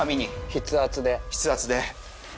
筆圧で。